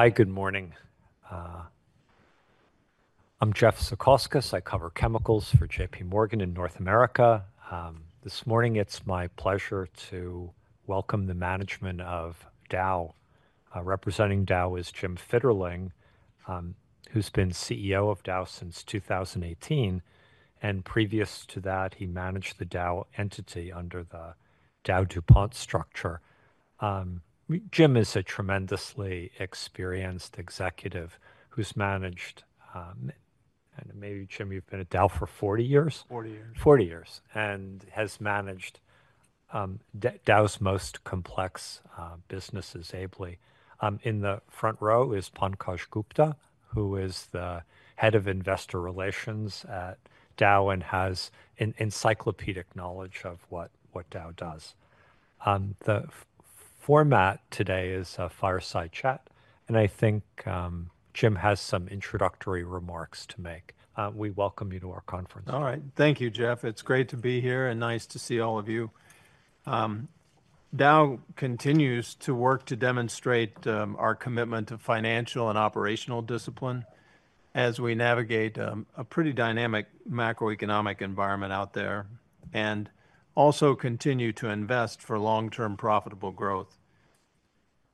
Hi, good morning. I'm Jeffrey Zekauskas. I cover chemicals for J.P. Morgan in North America. This morning it's my pleasure to welcome the management of Dow. Representing Dow is Jim Fitterling, who's been CEO of Dow since 2018, and previous to that he managed the Dow entity under the DowDuPont structure. Jim is a tremendously experienced executive who's managed, and maybe, Jim, you've been at Dow for 40 years? 40 years. 40 years and has managed Dow's most complex businesses ably. In the front row is Pankaj Gupta, who is the Head of Investor Relations at Dow and has encyclopedic knowledge of what Dow does. The format today is a fireside chat, and I think Jim has some introductory remarks to make. We welcome you to our conference. All right. Thank you, Jeff. It's great to be here and nice to see all of you. Dow continues to work to demonstrate our commitment to financial and operational discipline as we navigate a pretty dynamic macroeconomic environment out there and also continue to invest for long-term profitable growth.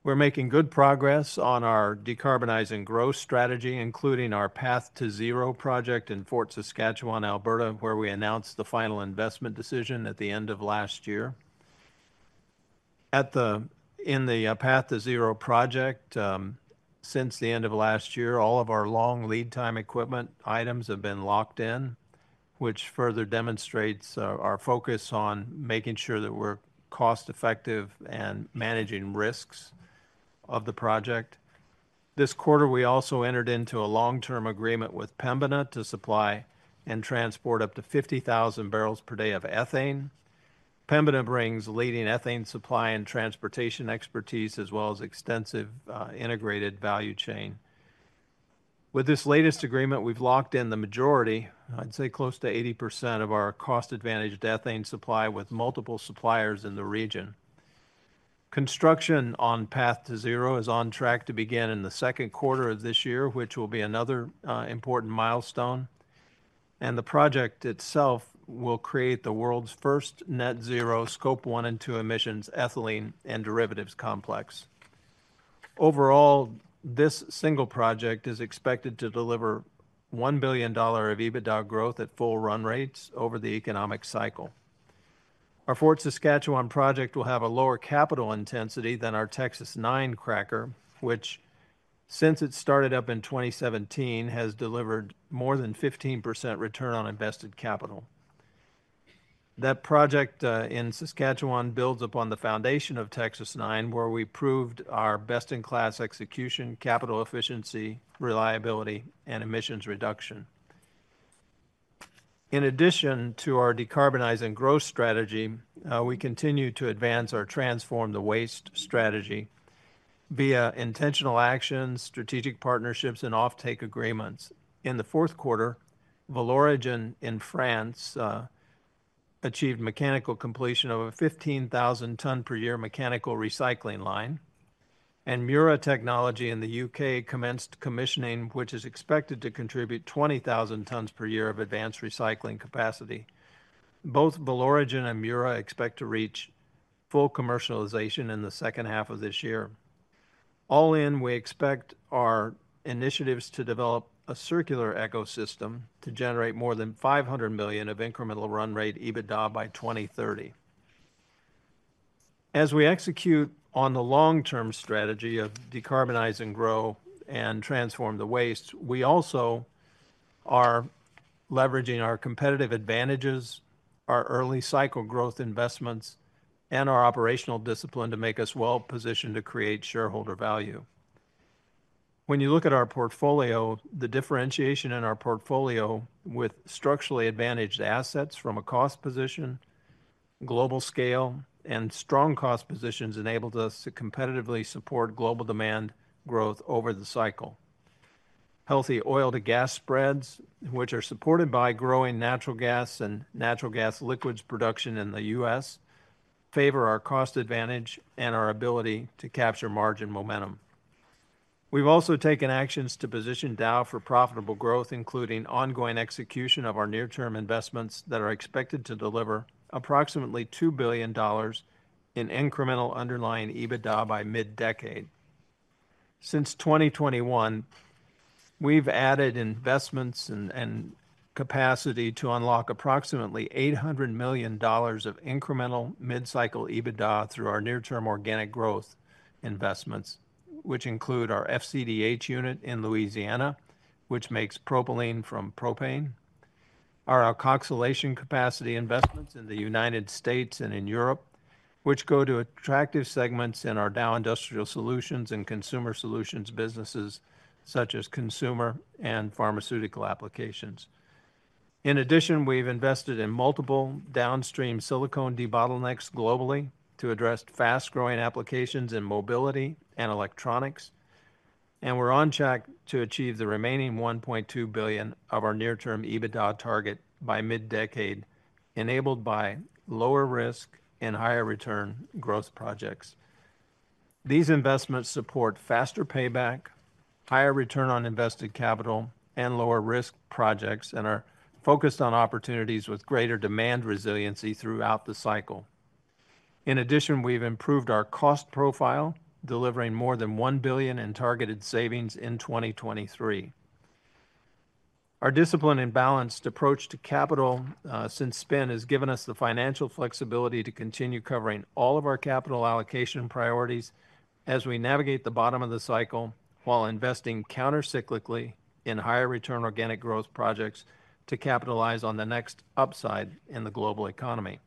We're making good progress on our decarbonizing growth strategy, including our Path2Zero project in Fort Saskatchewan, Alberta, where we announced the final investment decision at the end of last year. In the Path2Zero project, since the end of last year, all of our long lead time equipment items have been locked in, which further demonstrates our focus on making sure that we're cost effective and managing risks of the project. This quarter we also entered into a long-term agreement with Pembina to supply and transport up to 50,000 barrels per day of ethane. Pembina brings leading ethane supply and transportation expertise as well as extensive, integrated value chain. With this latest agreement we've locked in the majority, I'd say close to 80%, of our cost advantaged ethane supply with multiple suppliers in the region. Construction on Path2Zero is on track to begin in the second quarter of this year, which will be another, important milestone, and the project itself will create the world's first net-zero Scope 1 and 2 emissions ethylene and derivatives complex. Overall, this single project is expected to deliver $1 billion of EBITDA growth at full run rates over the economic cycle. Our Fort Saskatchewan project will have a lower capital intensity than our Texas-9 cracker, which, since it started up in 2017, has delivered more than 15% return on invested capital. That project in Saskatchewan builds upon the foundation of Texas-9, where we proved our best in class execution, capital efficiency, reliability, and emissions reduction. In addition to our decarbonizing growth strategy, we continue to advance our transform the waste strategy via intentional actions, strategic partnerships, and offtake agreements. In the fourth quarter, Valoregen in France achieved mechanical completion of a 15,000 tons per year mechanical recycling line, and Mura Technology in the UK commenced commissioning, which is expected to contribute 20,000 tons per year of advanced recycling capacity. Both Valoregen and Mura expect to reach full commercialization in the second half of this year. All in, we expect our initiatives to develop a circular ecosystem to generate more than $500 million of incremental run rate EBITDA by 2030. As we execute on the long-term strategy of Decarbonizing Growth and Transform the Waste, we also are leveraging our competitive advantages, our early cycle growth investments, and our operational discipline to make us well positioned to create shareholder value. When you look at our portfolio, the differentiation in our portfolio with structurally advantaged assets from a cost position, global scale, and strong cost positions enabled us to competitively support global demand growth over the cycle. Healthy oil to gas spreads, which are supported by growing natural gas and natural gas liquids production in the U.S., favor our cost advantage and our ability to capture margin momentum. We've also taken actions to position Dow for profitable growth, including ongoing execution of our near-term investments that are expected to deliver approximately $2 billion in incremental underlying EBITDA by mid-decade. Since 2021, we've added investments and capacity to unlock approximately $800 million of incremental mid-cycle EBITDA through our near-term organic growth investments, which include our FCDH unit in Louisiana, which makes propylene from propane, our alkylation capacity investments in the United States and in Europe, which go to attractive segments in our Dow Industrial Solutions and Dow Consumer Solutions businesses such as consumer and pharmaceutical applications. In addition, we've invested in multiple downstream silicone debottlenecks globally to address fast-growing applications in mobility and electronics, and we're on track to achieve the remaining $1.2 billion of our near-term EBITDA target by mid-decade, enabled by lower risk and higher return growth projects. These investments support faster payback, higher return on invested capital, and lower risk projects and are focused on opportunities with greater demand resiliency throughout the cycle. In addition, we've improved our cost profile, delivering more than $1 billion in targeted savings in 2023. Our discipline and balanced approach to capital, since spin has given us the financial flexibility to continue covering all of our capital allocation priorities as we navigate the bottom of the cycle while investing countercyclically in higher return organic growth projects to capitalize on the next upside in the global economy.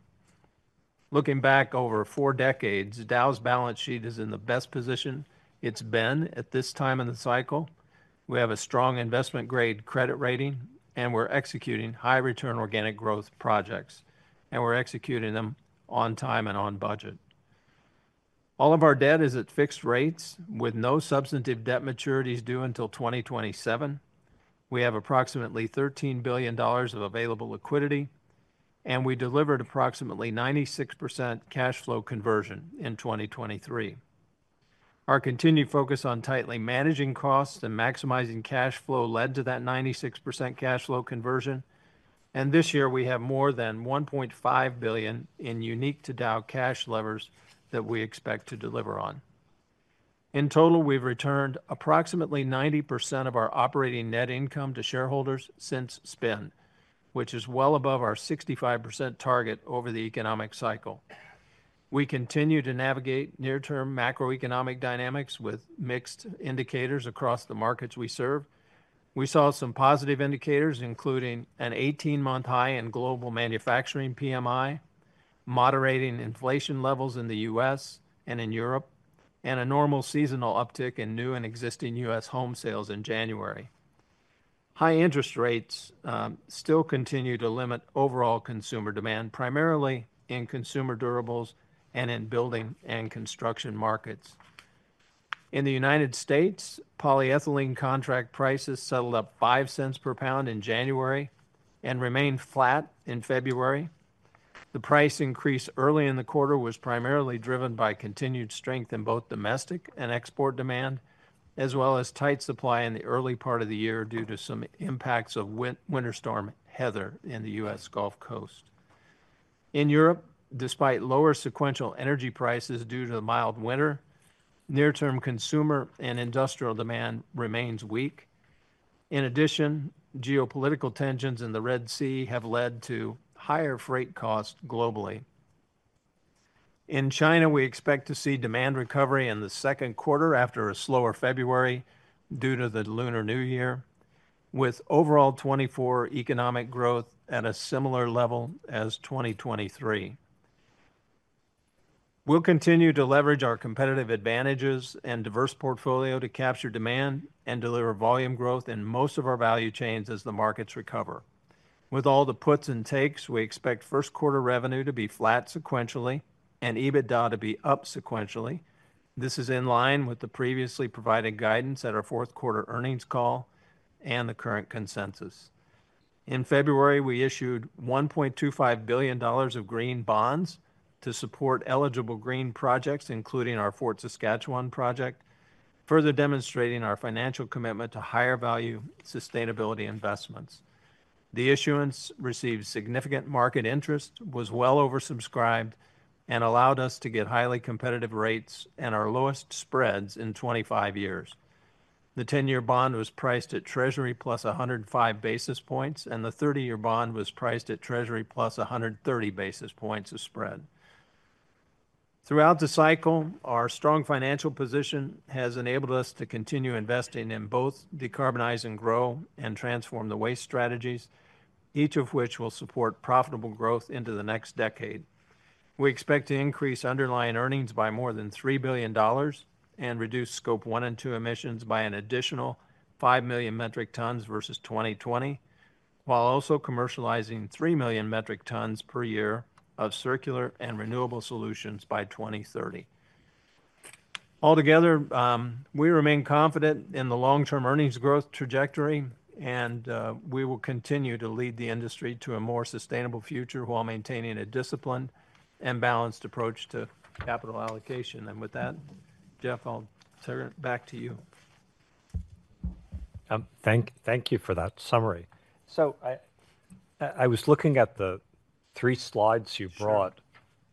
Looking back over four decades, Dow's balance sheet is in the best position it's been at this time in the cycle. We have a strong investment grade credit rating, and we're executing high return organic growth projects, and we're executing them on time and on budget. All of our debt is at fixed rates with no substantive debt maturities due until 2027. We have approximately $13 billion of available liquidity, and we delivered approximately 96% cash flow conversion in 2023. Our continued focus on tightly managing costs and maximizing cash flow led to that 96% cash flow conversion, and this year we have more than $1.5 billion in unique to Dow cash levers that we expect to deliver on. In total, we've returned approximately 90% of our operating net income to shareholders since spin, which is well above our 65% target over the economic cycle. We continue to navigate near-term macroeconomic dynamics with mixed indicators across the markets we serve. We saw some positive indicators, including an 18-month high in global manufacturing PMI, moderating inflation levels in the U.S. and in Europe, and a normal seasonal uptick in new and existing U.S. home sales in January. High interest rates, still continue to limit overall consumer demand, primarily in consumer durables and in building and construction markets. In the United States, polyethylene contract prices settled at $0.05 per pound in January and remained flat in February. The price increase early in the quarter was primarily driven by continued strength in both domestic and export demand, as well as tight supply in the early part of the year due to some impacts of Winter Storm Heather in the U.S. Gulf Coast. In Europe, despite lower sequential energy prices due to the mild winter, near-term consumer and industrial demand remains weak. In addition, geopolitical tensions in the Red Sea have led to higher freight costs globally. In China, we expect to see demand recovery in the second quarter after a slower February due to the Lunar New Year, with overall 2024 economic growth at a similar level as 2023. We'll continue to leverage our competitive advantages and diverse portfolio to capture demand and deliver volume growth in most of our value chains as the markets recover. With all the puts and takes, we expect first quarter revenue to be flat sequentially and EBITDA to be up sequentially. This is in line with the previously provided guidance at our fourth quarter earnings call and the current consensus. In February, we issued $1.25 billion of green bonds to support eligible green projects, including our Fort Saskatchewan project, further demonstrating our financial commitment to higher value sustainability investments. The issuance received significant market interest, was well oversubscribed, and allowed us to get highly competitive rates and our lowest spreads in 25 years. The 10-year bond was priced at Treasury plus 105 basis points, and the 30-year bond was priced at Treasury plus 130 basis points of spread. Throughout the cycle, our strong financial position has enabled us to continue investing in both Decarbonizing Growth and Transform the Waste strategies, each of which will support profitable growth into the next decade. We expect to increase underlying earnings by more than $3 billion and reduce Scope 1 and 2 emissions by an additional 5 million metric tons versus 2020, while also commercializing 3 million metric tons per year of circular and renewable solutions by 2030. Altogether, we remain confident in the long-term earnings growth trajectory, and we will continue to lead the industry to a more sustainable future while maintaining a disciplined and balanced approach to capital allocation. With that, Jeff, I'll turn it back to you. Thank you for that summary. So I was looking at the three slides you brought,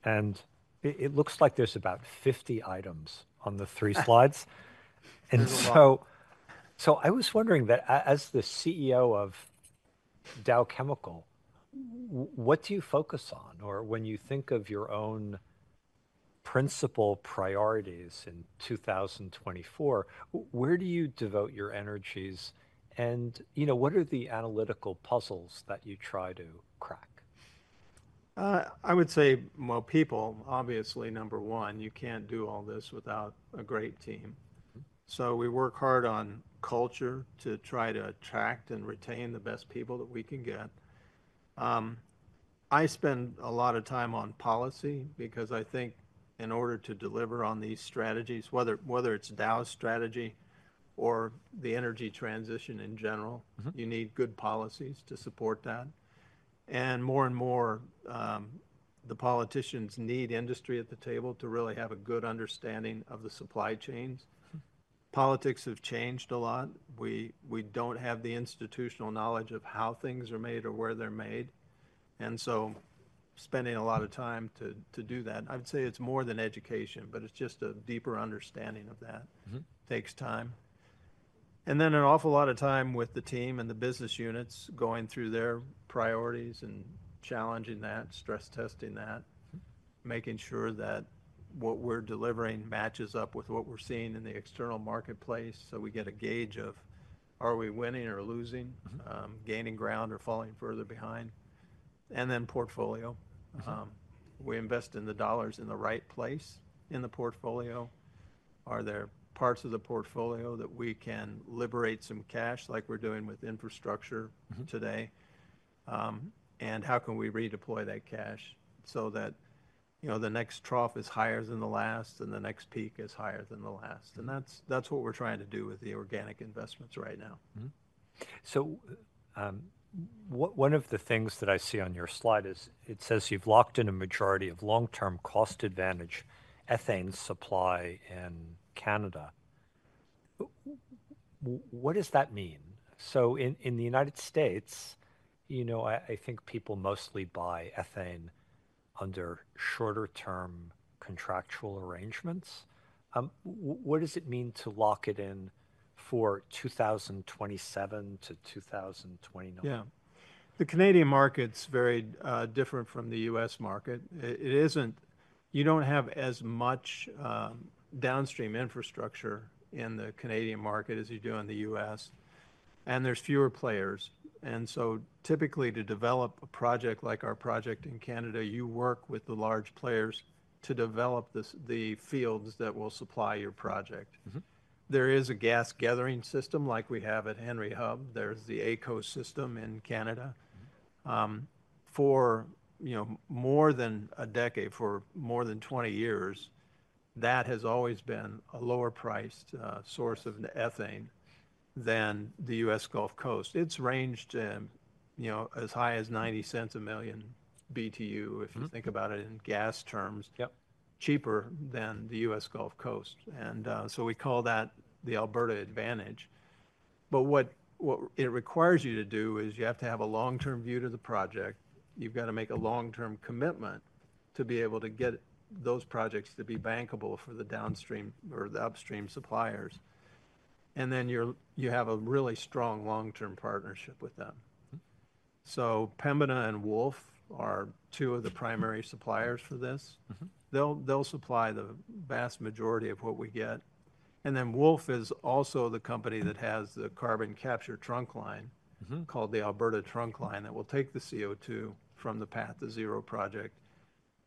and it looks like there's about 50 items on the three slides. So I was wondering that as the CEO of Dow, what do you focus on? Or when you think of your own principal priorities in 2024, where do you devote your energies? You know, what are the analytical puzzles that you try to crack? I would say, well, people, obviously, number one, you can't do all this without a great team. So we work hard on culture to try to attract and retain the best people that we can get. I spend a lot of time on policy because I think in order to deliver on these strategies, whether it's Dow's strategy or the energy transition in general, you need good policies to support that. And more and more, the politicians need industry at the table to really have a good understanding of the supply chains. Politics have changed a lot. We don't have the institutional knowledge of how things are made or where they're made. And so spending a lot of time to do that. I'd say it's more than education, but it's just a deeper understanding of that. It takes time. And then an awful lot of time with the team and the business units going through their priorities and challenging that, stress testing that, making sure that what we're delivering matches up with what we're seeing in the external marketplace so we get a gauge of are we winning or losing, gaining ground or falling further behind. And then portfolio. We invest in the dollars in the right place in the portfolio. Are there parts of the portfolio that we can liberate some cash like we're doing with infrastructure today? And how can we redeploy that cash so that, you know, the next trough is higher than the last and the next peak is higher than the last? And that's what we're trying to do with the organic investments right now. So one of the things that I see on your slide is it says you've locked in a majority of long-term cost advantage ethane supply in Canada. What does that mean? So in the United States, you know, I think people mostly buy ethane under shorter-term contractual arrangements. What does it mean to lock it in for 2027-2029? Yeah. The Canadian market's very different from the U.S. market. It isn't. You don't have as much downstream infrastructure in the Canadian market as you do in the U.S., and there's fewer players. And so typically, to develop a project like our project in Canada, you work with the large players to develop the fields that will supply your project. There is a gas gathering system like we have at Henry Hub. There's the AECO system in Canada. For, you know, more than a decade, for more than 20 years, that has always been a lower-priced source of ethane than the U.S. Gulf Coast. It's ranged, you know, as high as $0.90 a million BTU, if you think about it in gas terms, cheaper than the U.S. Gulf Coast. And so we call that the Alberta Advantage. What it requires you to do is you have to have a long-term view to the project. You've got to make a long-term commitment to be able to get those projects to be bankable for the downstream or the upstream suppliers. You have a really strong long-term partnership with them. So Pembina and Wolf are two of the primary suppliers for this. They'll supply the vast majority of what we get. Wolf is also the company that has the carbon capture trunk line called the Alberta Carbon Trunk Line that will take the CO2 from the Path2Zero project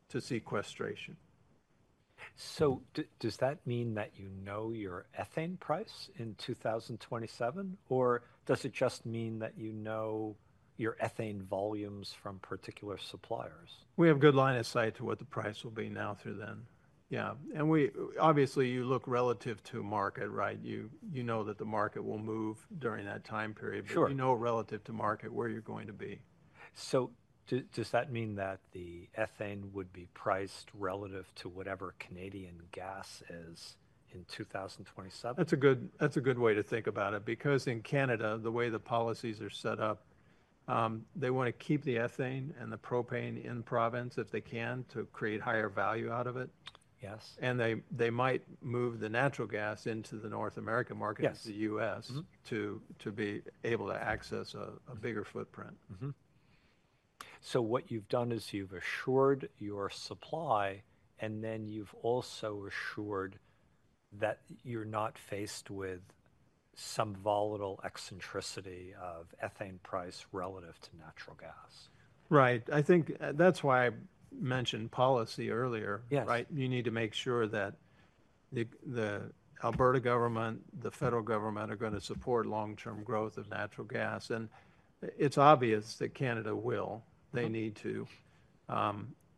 to sequestration. Does that mean that you know your ethane price in 2027? Or does it just mean that you know your ethane volumes from particular suppliers? We have good line of sight to what the price will be now through then. Yeah. And we obviously, you look relative to market, right? You know that the market will move during that time period. But you know relative to market where you're going to be. Does that mean that the ethane would be priced relative to whatever Canadian gas is in 2027? That's a good way to think about it because in Canada, the way the policies are set up, they want to keep the ethane and the propane in province if they can to create higher value out of it. They might move the natural gas into the North American market, the U.S., to be able to access a bigger footprint. What you've done is you've assured your supply, and then you've also assured that you're not faced with some volatile eccentricity of ethane price relative to natural gas. Right. I think that's why I mentioned policy earlier, right? You need to make sure that the Alberta government, the federal government are going to support long-term growth of natural gas. And it's obvious that Canada will. They need to.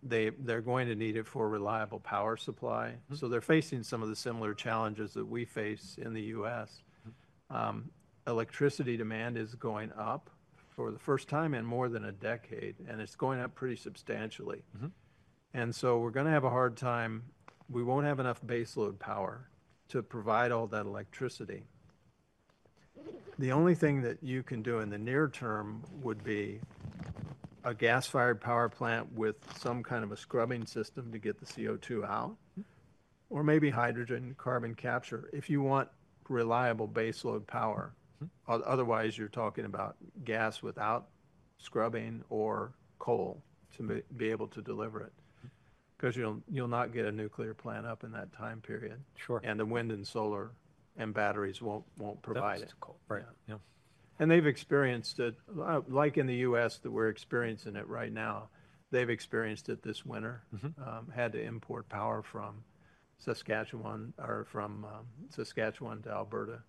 They're going to need it for reliable power supply. So they're facing some of the similar challenges that we face in the U.S. Electricity demand is going up for the first time in more than a decade, and it's going up pretty substantially. And so we're going to have a hard time. We won't have enough baseload power to provide all that electricity. The only thing that you can do in the near term would be a gas-fired power plant with some kind of a scrubbing system to get the CO2 out, or maybe hydrogen carbon capture if you want reliable baseload power. Otherwise, you're talking about gas without scrubbing or coal to be able to deliver it because you'll not get a nuclear plant up in that time period. The wind and solar and batteries won't provide it. That's coal, right? Yeah. They've experienced it like in the U.S. that we're experiencing it right now. They've experienced it this winter, had to import power from Saskatchewan to Alberta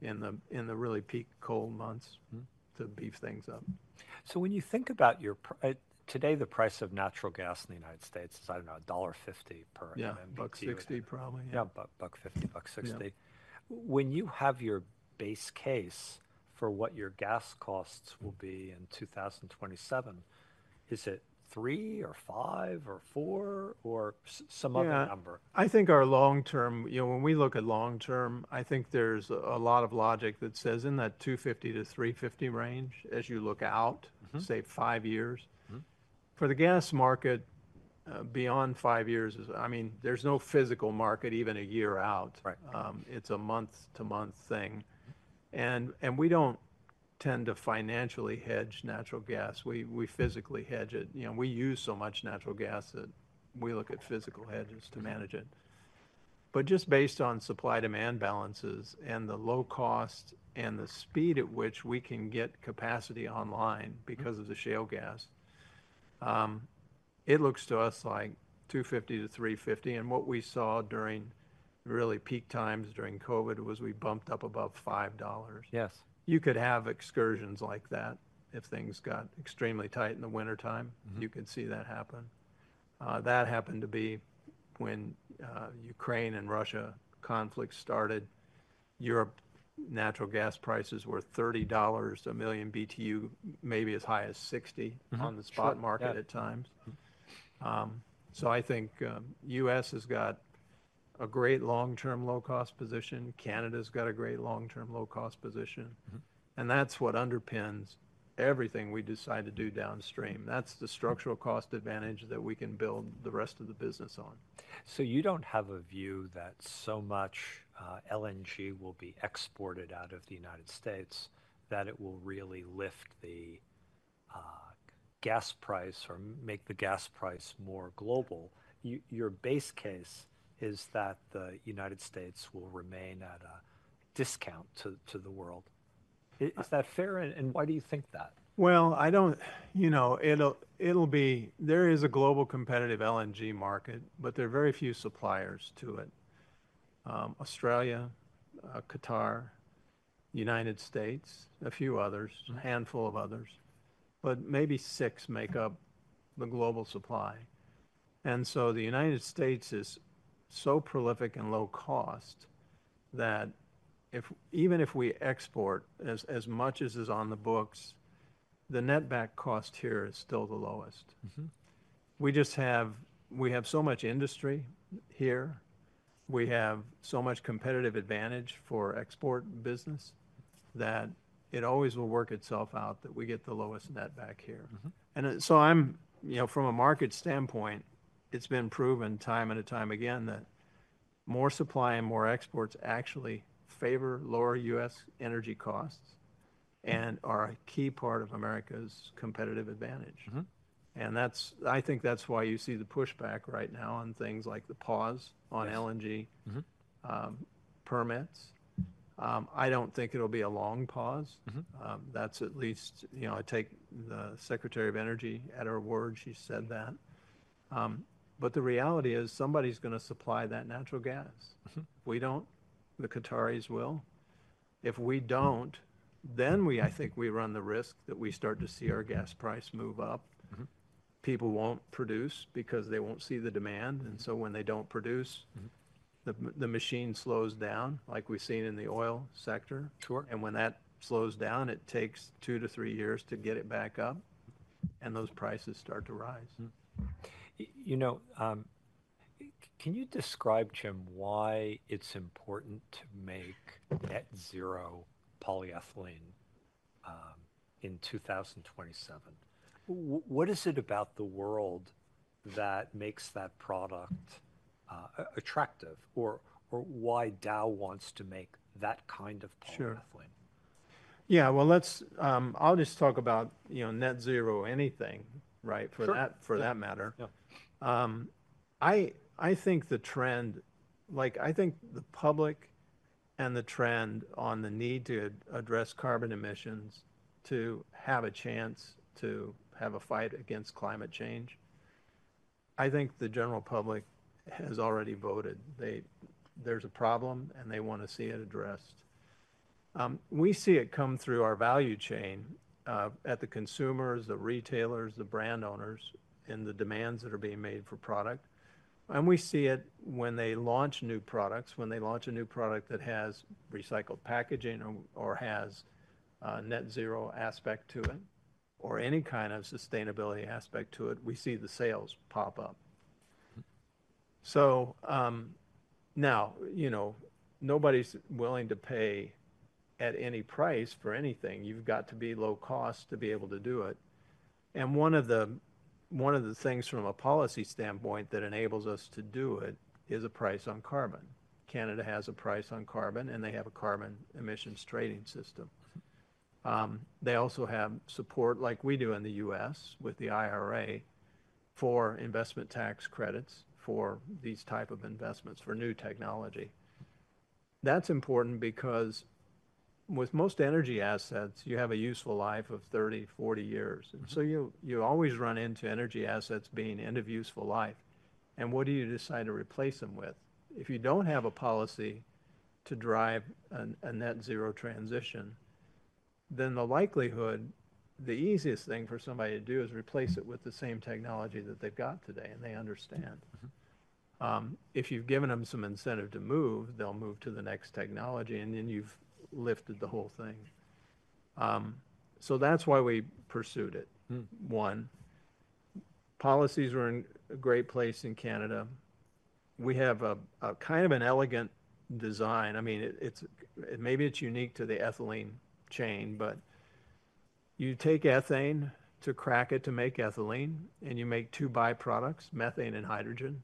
in the really peak cold months to beef things up. When you think about your today, the price of natural gas in the United States is, I don't know, $1.50 per MMBtu. Yeah, $1.60 probably. Yeah, $1.50, $1.60. When you have your base case for what your gas costs will be in 2027, is it three or five or four or some other number? Yeah. I think our long-term you know, when we look at long-term, I think there's a lot of logic that says in that $250-$350 range as you look out, say, five years. For the gas market, beyond five years is I mean, there's no physical market even a year out. It's a month-to-month thing. And we don't tend to financially hedge natural gas. We physically hedge it. You know, we use so much natural gas that we look at physical hedges to manage it. But just based on supply-demand balances and the low cost and the speed at which we can get capacity online because of the shale gas, it looks to us like $250-$350. And what we saw during really peak times during COVID was we bumped up above $5. You could have excursions like that if things got extremely tight in the wintertime. You could see that happen. That happened to be when Ukraine and Russia conflict started. Europe natural gas prices were $30 a million BTU, maybe as high as $60 on the spot market at times. So I think the U.S. has got a great long-term low-cost position. Canada's got a great long-term low-cost position. And that's what underpins everything we decide to do downstream. That's the structural cost advantage that we can build the rest of the business on. So you don't have a view that so much LNG will be exported out of the United States that it will really lift the gas price or make the gas price more global. Your base case is that the United States will remain at a discount to the world. Is that fair? And why do you think that? Well, I don't, you know, it'll be. There is a global competitive LNG market, but there are very few suppliers to it: Australia, Qatar, the United States, a few others, a handful of others. But maybe six make up the global supply. And so the United States is so prolific and low-cost that even if we export as much as is on the books, the net back cost here is still the lowest. We just have so much industry here. We have so much competitive advantage for export business that it always will work itself out that we get the lowest net back here. And so I'm, you know, from a market standpoint, it's been proven time and time again that more supply and more exports actually favor lower U.S. energy costs and are a key part of America's competitive advantage. And that's, I think, that's why you see the pushback right now on things like the pause on LNG permits. I don't think it'll be a long pause. That's, at least, you know, I take the Secretary of Energy at her word. She said that. But the reality is somebody's going to supply that natural gas. If we don't, the Qataris will. If we don't, then we, I think, run the risk that we start to see our gas price move up. People won't produce because they won't see the demand. And so when they don't produce, the machine slows down like we've seen in the oil sector. And when that slows down, it takes 2-3 years to get it back up, and those prices start to rise. You know, can you describe, Jim, why it's important to make net zero polyethylene in 2027? What is it about the world that makes that product attractive? Or why Dow wants to make that kind of polyethylene? Yeah. Well, let's I'll just talk about, you know, net-zero anything, right, for that matter. I think the trend like, I think the public and the trend on the need to address carbon emissions, to have a chance to have a fight against climate change, I think the general public has already voted. There's a problem, and they want to see it addressed. We see it come through our value chain at the consumers, the retailers, the brand owners, and the demands that are being made for product. And we see it when they launch new products, when they launch a new product that has recycled packaging or has a net-zero aspect to it or any kind of sustainability aspect to it, we see the sales pop up. So now, you know, nobody's willing to pay at any price for anything. You've got to be low-cost to be able to do it. One of the things from a policy standpoint that enables us to do it is a price on carbon. Canada has a price on carbon, and they have a carbon emissions trading system. They also have support like we do in the U.S. with the IRA for investment tax credits for these type of investments for new technology. That's important because with most energy assets, you have a useful life of 30, 40 years. So you always run into energy assets being end of useful life. What do you decide to replace them with? If you don't have a policy to drive a net-zero transition, then the likelihood the easiest thing for somebody to do is replace it with the same technology that they've got today, and they understand. If you've given them some incentive to move, they'll move to the next technology, and then you've lifted the whole thing. So that's why we pursued it, one. Policies are in a great place in Canada. We have a kind of an elegant design. I mean, it's maybe unique to the ethylene chain, but you take ethane to crack it to make ethylene, and you make two byproducts, methane and hydrogen.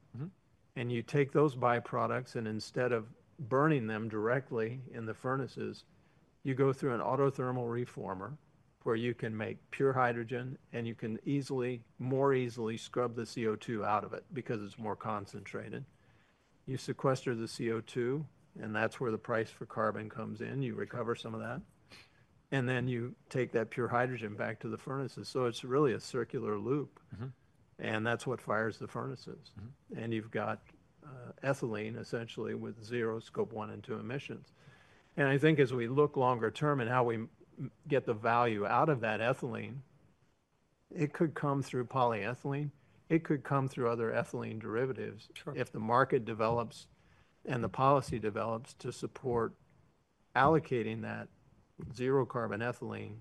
And you take those byproducts, and instead of burning them directly in the furnaces, you go through an autothermal reformer where you can make pure hydrogen, and you can more easily scrub the CO2 out of it because it's more concentrated. You sequester the CO2, and that's where the price for carbon comes in. You recover some of that. And then you take that pure hydrogen back to the furnaces. So it's really a circular loop. That's what fires the furnaces. You've got ethylene, essentially, with zero Scope 1 and 2 emissions. I think as we look longer term and how we get the value out of that ethylene, it could come through polyethylene. It could come through other ethylene derivatives if the market develops and the policy develops to support allocating that zero-carbon ethylene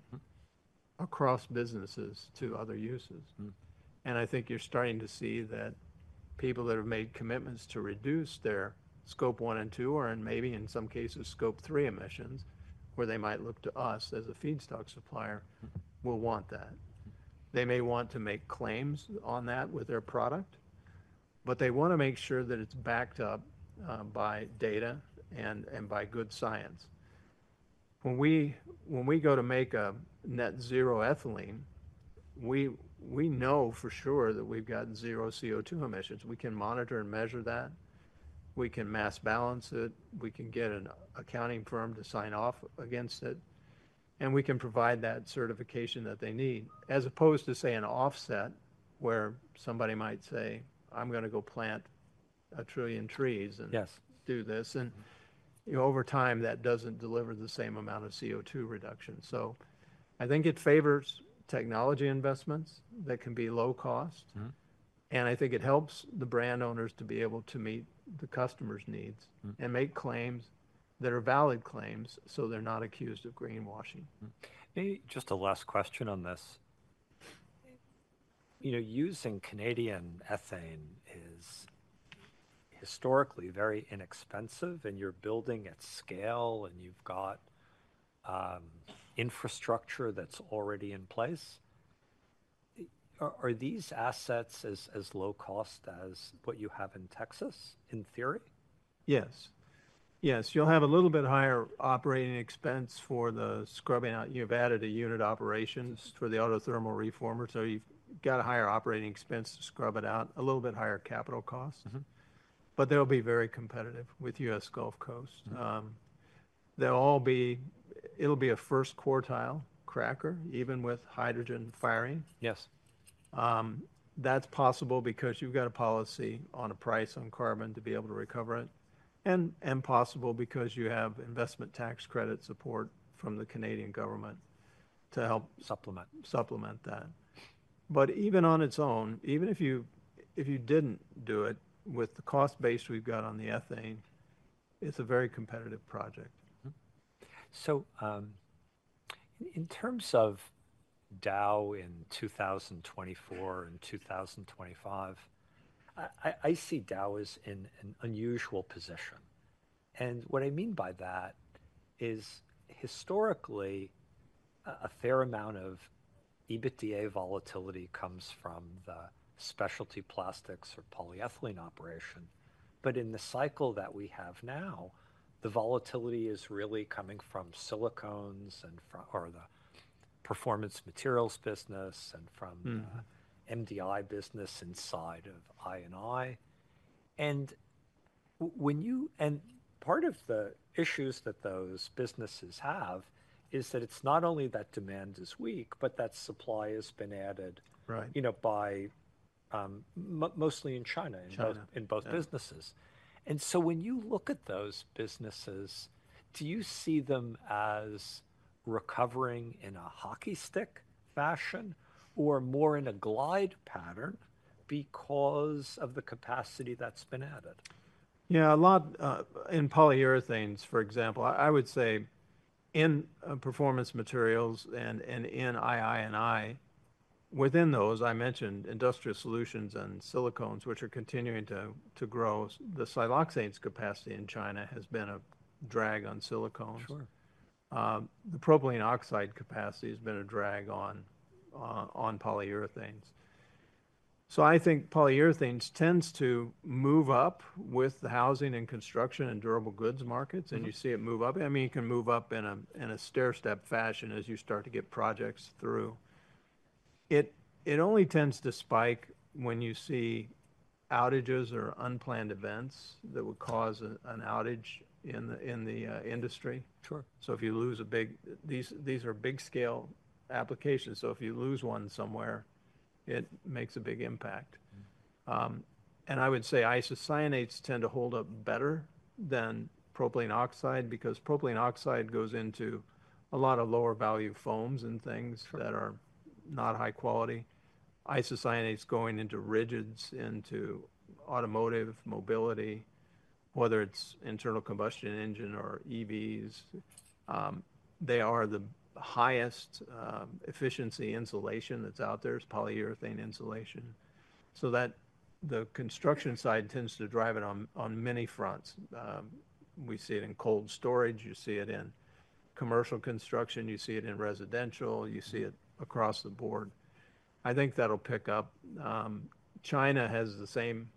across businesses to other uses. I think you're starting to see that people that have made commitments to reduce their Scope 1 and 2 or maybe in some cases, Scope 3 emissions where they might look to us as a feedstock supplier will want that. They may want to make claims on that with their product, but they want to make sure that it's backed up by data and by good science. When we go to make a net-zero ethylene, we know for sure that we've got zero CO2 emissions. We can monitor and measure that. We can mass balance it. We can get an accounting firm to sign off against it. And we can provide that certification that they need as opposed to, say, an offset where somebody might say, "I'm going to go plant 1 trillion trees and do this." And over time, that doesn't deliver the same amount of CO2 reduction. So I think it favors technology investments that can be low-cost. And I think it helps the brand owners to be able to meet the customers' needs and make claims that are valid claims so they're not accused of greenwashing. Maybe just a last question on this. You know, using Canadian ethane is historically very inexpensive, and you're building at scale, and you've got infrastructure that's already in place. Are these assets as low-cost as what you have in Texas, in theory? Yes. Yes. You'll have a little bit higher operating expense for the scrubbing out. You've added a unit operations for the autothermal reformer. So you've got a higher operating expense to scrub it out, a little bit higher capital cost. But they'll be very competitive with U.S. Gulf Coast. They'll all be it'll be a first-quartile cracker, even with hydrogen firing. That's possible because you've got a policy on a price on carbon to be able to recover it and possible because you have investment tax credit support from the Canadian government to help. Supplement. Supplement that. But even on its own, even if you didn't do it with the cost base we've got on the ethane, it's a very competitive project. In terms of Dow in 2024 and 2025, I see Dow as in an unusual position. What I mean by that is, historically, a fair amount of EBITDA volatility comes from the specialty plastics or polyethylene operation. In the cycle that we have now, the volatility is really coming from silicones and from or the performance materials business and from the MDI business inside of I&I. When you and part of the issues that those businesses have is that it's not only that demand is weak, but that supply has been added, you know, by mostly in China in both businesses. So when you look at those businesses, do you see them as recovering in a hockey stick fashion or more in a glide pattern because of the capacity that's been added? Yeah. A lot in polyurethanes, for example, I would say in performance materials and in I&I, within those, I mentioned industrial solutions and silicones, which are continuing to grow. The siloxanes capacity in China has been a drag on silicones. The propylene oxide capacity has been a drag on polyurethanes. So I think polyurethanes tends to move up with the housing and construction and durable goods markets, and you see it move up. I mean, it can move up in a stairstep fashion as you start to get projects through. It only tends to spike when you see outages or unplanned events that would cause an outage in the industry. So if you lose a big, these are big-scale applications. So if you lose one somewhere, it makes a big impact. I would say isocyanates tend to hold up better than propylene oxide because propylene oxide goes into a lot of lower-value foams and things that are not high quality. Isocyanates going into rigids, into automotive mobility, whether it's internal combustion engine or EVs, they are the highest-efficiency insulation that's out there. It's polyurethane insulation. So the construction side tends to drive it on many fronts. We see it in cold storage. You see it in commercial construction. You see it in residential. You see it across the board. I think that'll pick up. China has the same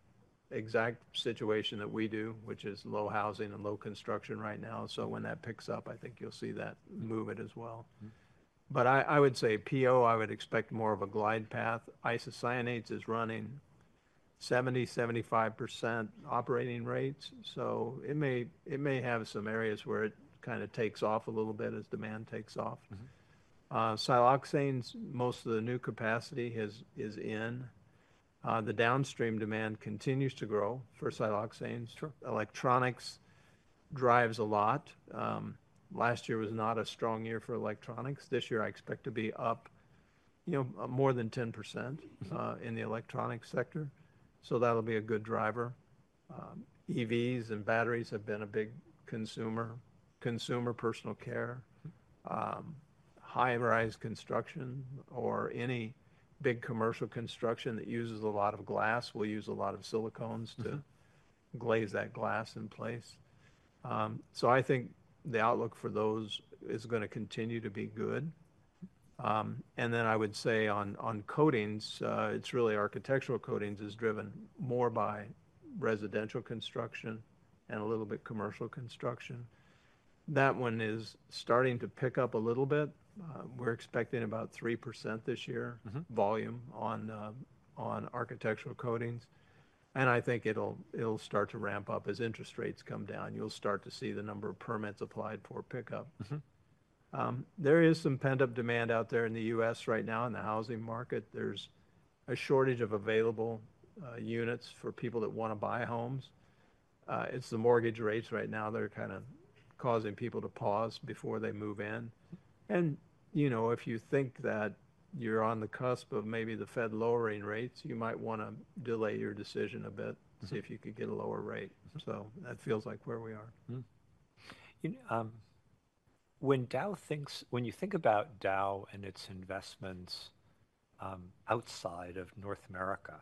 exact situation that we do, which is low housing and low construction right now. So when that picks up, I think you'll see that move it as well. But I would say PO, I would expect more of a glide path. Isocyanates is running 70%-75% operating rates. So it may have some areas where it kind of takes off a little bit as demand takes off. Siloxanes, most of the new capacity is in. The downstream demand continues to grow for siloxanes. Electronics drives a lot. Last year was not a strong year for electronics. This year, I expect to be up, you know, more than 10% in the electronics sector. So that'll be a good driver. EVs and batteries have been a big consumer, consumer personal care. High-rise construction or any big commercial construction that uses a lot of glass will use a lot of silicones to glaze that glass in place. So I think the outlook for those is going to continue to be good. And then I would say on coatings, it's really architectural coatings is driven more by residential construction and a little bit commercial construction. That one is starting to pick up a little bit. We're expecting about 3% this year volume on architectural coatings. I think it'll start to ramp up as interest rates come down. You'll start to see the number of permits applied for pickup. There is some pent-up demand out there in the U.S. right now in the housing market. There's a shortage of available units for people that want to buy homes. It's the mortgage rates right now. They're kind of causing people to pause before they move in. And, you know, if you think that you're on the cusp of maybe the Fed lowering rates, you might want to delay your decision a bit, see if you could get a lower rate. So that feels like where we are. When you think about Dow and its investments outside of North America,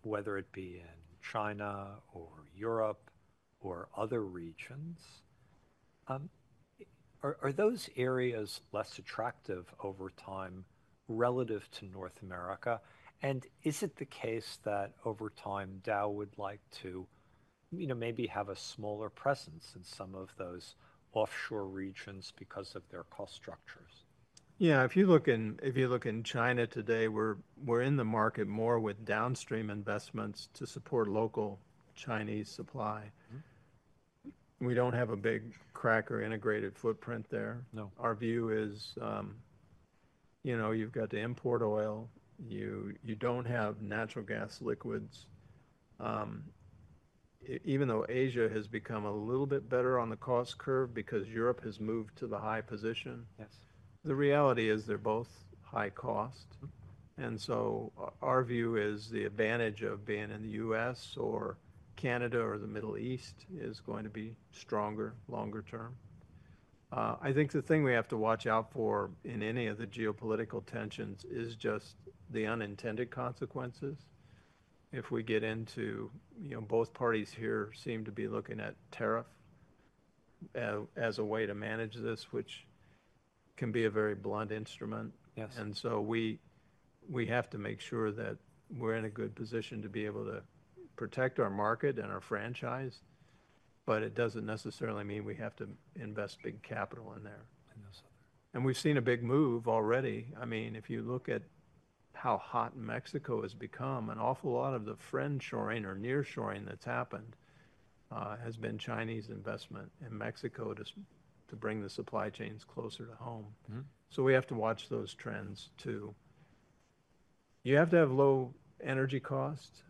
whether it be in China or Europe or other regions, are those areas less attractive over time relative to North America? And is it the case that over time, Dow would like to, you know, maybe have a smaller presence in some of those offshore regions because of their cost structures? Yeah. If you look in China today, we're in the market more with downstream investments to support local Chinese supply. We don't have a big cracker integrated footprint there. Our view is, you know, you've got to import oil. You don't have natural gas liquids. Even though Asia has become a little bit better on the cost curve because Europe has moved to the high position, the reality is they're both high cost. And so our view is the advantage of being in the U.S. or Canada or the Middle East is going to be stronger longer term. I think the thing we have to watch out for in any of the geopolitical tensions is just the unintended consequences. If we get into you know, both parties here seem to be looking at tariff as a way to manage this, which can be a very blunt instrument. And so we have to make sure that we're in a good position to be able to protect our market and our franchise. But it doesn't necessarily mean we have to invest big capital in there. In those other. We've seen a big move already. I mean, if you look at how hot Mexico has become, an awful lot of the friend-shoring or near-shoring that's happened has been Chinese investment in Mexico to bring the supply chains closer to home. So we have to watch those trends too. You have to have low energy cost.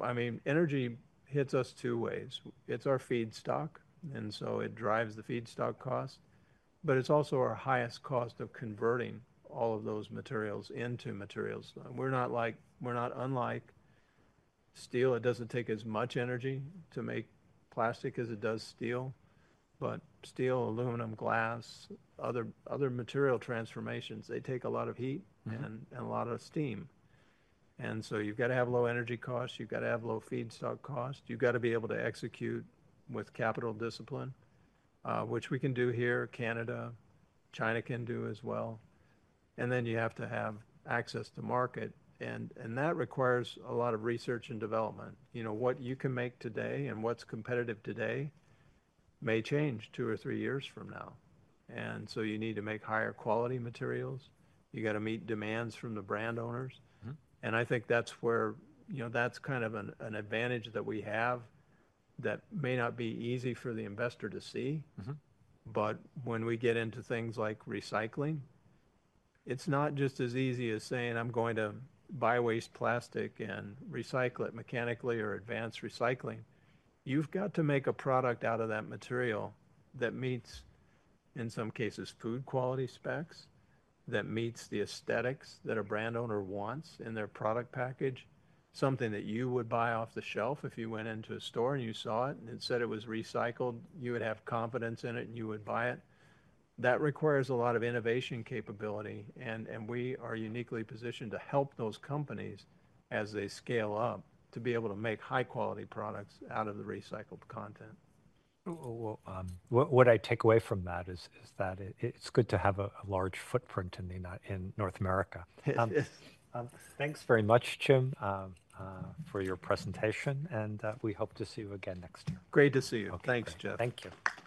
I mean, energy hits us two ways. It's our feedstock. So it drives the feedstock cost. But it's also our highest cost of converting all of those materials into materials. We're not like we're not unlike steel. It doesn't take as much energy to make plastic as it does steel. But steel, aluminum, glass, other material transformations, they take a lot of heat and a lot of steam. So you've got to have low energy cost. You've got to have low feedstock cost. You've got to be able to execute with capital discipline, which we can do here. Canada, China can do as well. And then you have to have access to market. And that requires a lot of research and development. You know, what you can make today and what's competitive today may change two or three years from now. And so you need to make higher-quality materials. You got to meet demands from the brand owners. And I think that's where you know, that's kind of an advantage that we have that may not be easy for the investor to see. But when we get into things like recycling, it's not just as easy as saying, "I'm going to buy waste plastic and recycle it mechanically or advanced recycling." You've got to make a product out of that material that meets, in some cases, food quality specs, that meets the aesthetics that a brand owner wants in their product package, something that you would buy off the shelf if you went into a store and you saw it and it said it was recycled. You would have confidence in it, and you would buy it. That requires a lot of innovation capability. And we are uniquely positioned to help those companies as they scale up to be able to make high-quality products out of the recycled content. What I take away from that is that it's good to have a large footprint in North America. Thanks very much, Jim, for your presentation. We hope to see you again next year. Great to see you. Thanks, Jeff. Thank you.